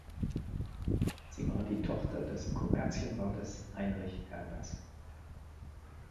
Sie war die Tochter des Kommerzienrates Heinrich Herbers.